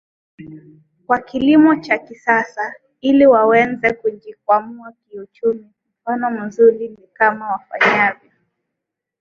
kama kilimo cha kisasa ili waweze kujikwamua kiuchumi Mfano mzuri ni kama wafanyavo